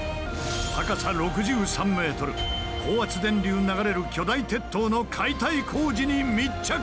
高さ６３メートル、高圧電流流れる巨大鉄塔の解体工事に密着。